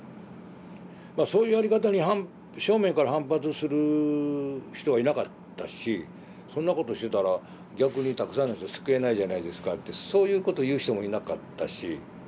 まあそういうやり方に正面から反発する人はいなかったしそんなことしてたら逆にたくさんの人救えないじゃないですかってそういうこと言う人もいなかったし。